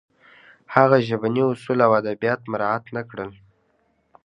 هغه ژبني اصول او ادبیات مراعت نه کړل